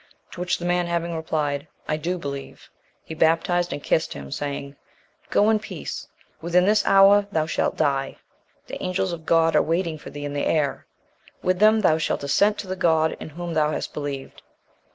To which the man having replied, "I do believe," he baptized, and kissed him, saying, "Go in peace; within this hour thou shalt die: the angels of God are waiting for thee in the air; with them thou shalt ascent to that God in whom thou has believed."